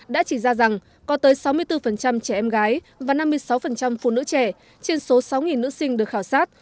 đã chỉ ra rằng có tới sáu mươi bốn trẻ em gái và năm mươi sáu phụ nữ trẻ trên số sáu nữ sinh được khảo sát